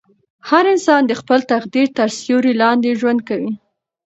هر انسان د خپل تقدیر تر سیوري لاندې ژوند کوي.